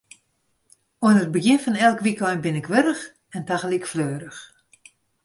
Oan it begjin fan elk wykein bin ik warch en tagelyk fleurich.